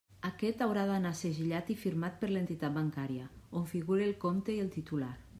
Aquest haurà d'anar segellat i firmat per l'entitat bancària, on figure el compte i el titular.